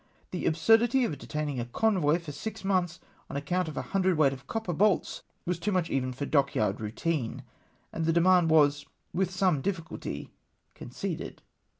The absurdity of detaining a convoy for six months, on account of a hundred weight of copper bolts was too much even for dockyard routine, and the demand was with some chfFiculty conceded.